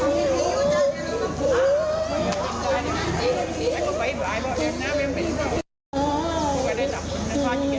หนูอยู่อีอิมีใดมีใดแห้งมายวะ